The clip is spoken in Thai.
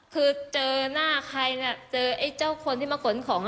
คือเจอหน้าใครเอ้ยเจ้าคนที่มากลนของ